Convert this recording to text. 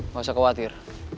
gak usah khawatir